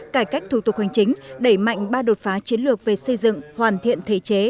cải cách thủ tục hành chính đẩy mạnh ba đột phá chiến lược về xây dựng hoàn thiện thể chế